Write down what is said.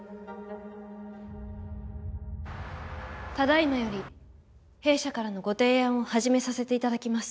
ただ今より弊社からのご提案を始めさせて頂きます。